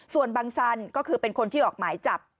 ส่วนบังสันก็คือเป็นคนที่ออกหมายจับ